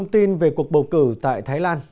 tin về cuộc bầu cử tại thái lan